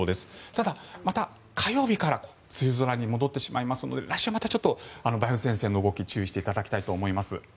ただ、また火曜日から梅雨空に戻ってしまいますので来週またちょっと梅雨前線の動きに注意していただきたいと思います。